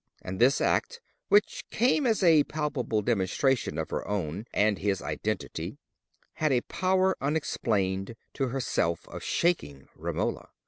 And this act, which came as a palpable demonstration of her own and his identity, had a power unexplained to herself, of shaking Romola.